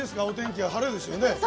お天気は晴れですよね。